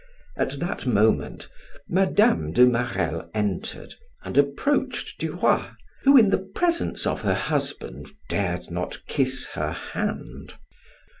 At that moment Mme. de Marelle entered and approached Duroy, who in the presence of her husband dared not kiss her hand.